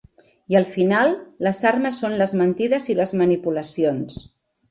I al final, les armes són les mentides i les manipulacions.